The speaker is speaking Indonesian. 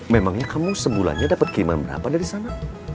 memangnya kamu sebulannya dapat kiman berapa dari sana